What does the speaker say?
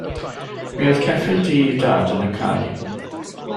Mi oedd ceffyl du ei dad yn y cae.